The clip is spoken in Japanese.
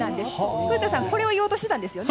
古田さん、これを言おうとしていたんですよね。